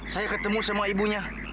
saya ketemu sama ibunya